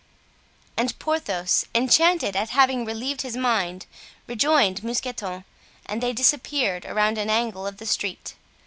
And Porthos, enchanted at having relieved his mind, rejoined Mousqueton and they disappeared around an angle of the street.